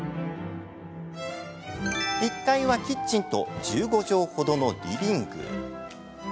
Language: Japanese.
１階はキッチンと１５畳ほどのリビング。